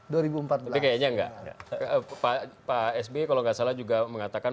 tapi kayaknya enggak pak s b kalau tidak salah juga mengatakan